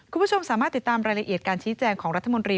คุณผู้ชมสามารถติดตามรายละเอียดการชี้แจงของรัฐมนตรี